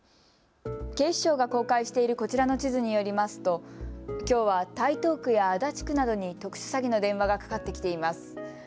警視庁が公開しているこちらの地図によりますときょうは台東区や足立区などに特殊詐欺の電話がかかってきています。